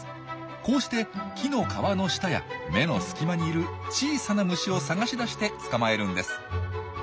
こうして木の皮の下や芽の隙間にいる小さな虫を探し出して捕まえるんです。